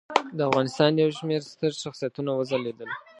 د افغانستان یو شمېر ستر شخصیتونه وځلیدل.